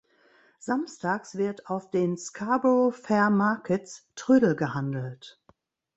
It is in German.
Samstags wird auf den "Scarborough Fair Markets" Trödel gehandelt.